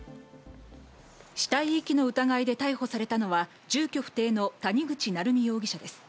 死体遺棄の疑いで逮捕されたのは住居不定の谷口成美容疑者です。